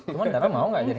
cuma dara mau nggak jadi